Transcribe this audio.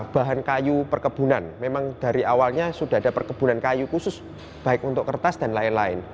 bahan kayu perkebunan memang dari awalnya sudah ada perkebunan kayu khusus baik untuk kertas dan lain lain